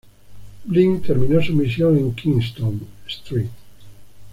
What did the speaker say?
Bligh terminó su misión en Kingstown, St.